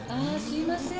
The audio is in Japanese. すいません。